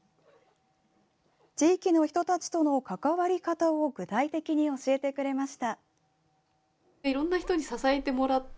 地域の人たちとの関わり方を具体的に教えてくれました。